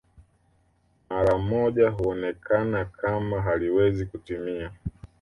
Mara zote huonekana kama haliwezi kutimia